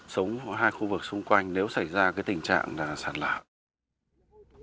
sống ở hai khu vực xung quanh nếu xảy ra tình trạng sản lạc